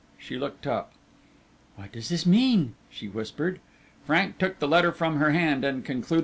She looked up. "What does this mean?" she whispered. Frank took the letter from her hand and concluded the reading.